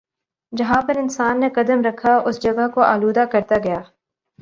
جہاں پر انسان نے قدم رکھا اس جگہ کو آلودہ کرتا گیا